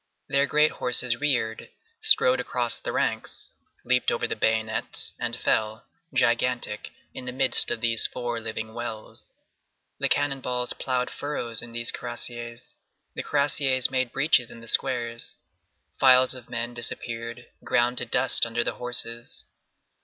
Their great horses reared, strode across the ranks, leaped over the bayonets and fell, gigantic, in the midst of these four living wells. The cannon balls ploughed furrows in these cuirassiers; the cuirassiers made breaches in the squares. Files of men disappeared, ground to dust under the horses.